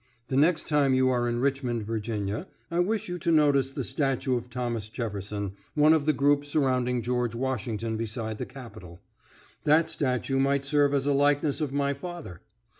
The next time you are in Richmond, Virginia, I wish you to notice the statue of Thomas Jefferson, one of the group surrounding George Washington beside the Capitol. That statue might serve as a likeness of my father.